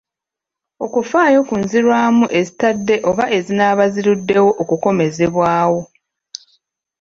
Okufaayo ku nzirwamu ezitadde oba ezinaaba ziruddewo okukomezebwawo.